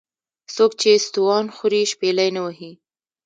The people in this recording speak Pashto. ـ څوک چې ستوان خوري شپېلۍ نه وهي .